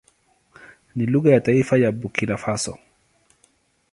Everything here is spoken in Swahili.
Ni lugha ya taifa ya Burkina Faso.